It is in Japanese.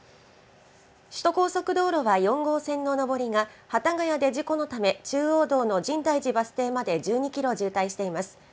首都高速道路は４号線の上りが幡ヶ谷で事故のため、中央道の深大寺バス停まで１２キロ渋滞しています。